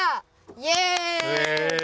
イエイ！